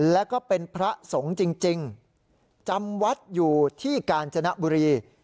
แล้วก็เป็นพระสงฆ์จริงจำวัดอยู่ที่กาญจนบุรี